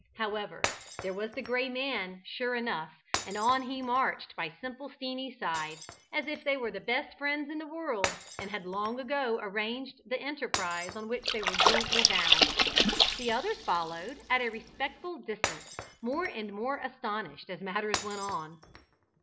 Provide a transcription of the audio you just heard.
However, there was the Gray Man, sure enough, and on he marched by "Simple Steenie's" side, as if they were the best friends in the world, and had long ago arranged the enterprise on which they were jointly bound. The others followed at a respectful distance, more and more astonished as matters went on.